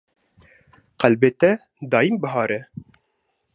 Qelbê te daîm bihar e